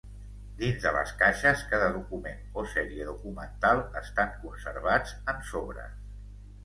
Dins de les caixes cada document o sèrie documental estan conservats en sobres.